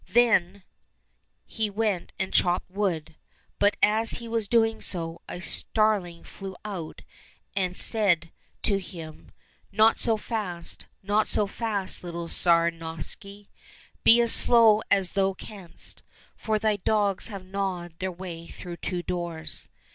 Then he went and chopped wood, but as he was doing so, a starling flew out and said to 71 COSSACK FAIRY TALES him, '' Not so fast, not so fast, little Tsar Novishny. Be as slow as thou canst, for thy dogs have gnawed their way through two doors."